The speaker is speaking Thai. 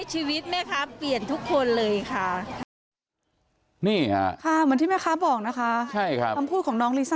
ดีขึ้นเยอะหลายเท่าให้กัน